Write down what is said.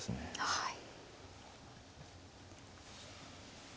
はい。